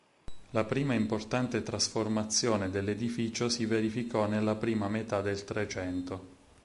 La prima importante trasformazione dell'edificio si verificò nella prima metà del Trecento.